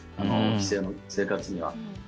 規制の生活には。